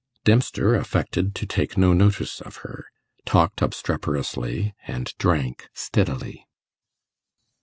Dempster affected to take no notice of her, talked obstreperously, and drank steadily.